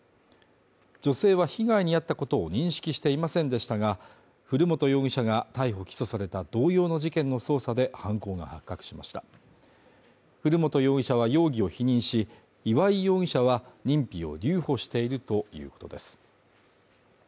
女性は被害に遭ったことを認識していませんでしたが古本容疑者が逮捕・起訴された同様の事件の捜査で犯行が発覚しました古本容疑者は容疑を否認し岩井容疑者は認否を留保しているということです